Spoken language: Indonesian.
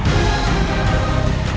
atau kalian aku binasaka